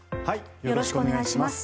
よろしくお願いします。